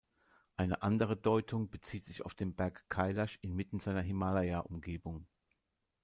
Eine andere Deutung bezieht sich auf den Berg Kailash inmitten seiner Himalaya-Umgebung.